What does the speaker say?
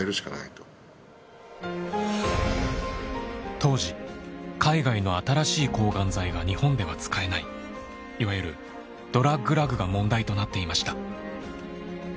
当時海外の新しい抗がん剤が日本では使えないいわゆる「ドラッグラグ」が問題となっていました。